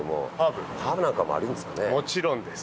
もちろんです。